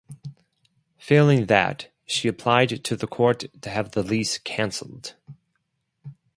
Failing that, she applied to the court to have the lease cancelled.